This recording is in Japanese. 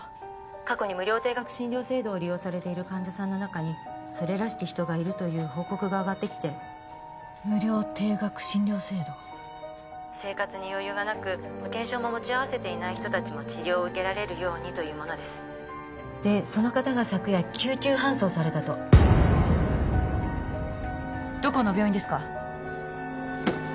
過去に無料低額診療制度を利用されている患者さんの中にそれらしき人がいるという報告があがってきて無料低額診療制度☎生活に余裕がなく☎保険証も持ち合わせていない人達も☎治療を受けられるようにというものですでその方が昨夜救急搬送されたとどこの病院ですか？